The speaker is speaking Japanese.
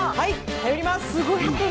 頼ります。